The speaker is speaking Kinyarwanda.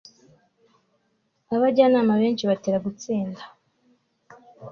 abajyanama benshi batera gutsinda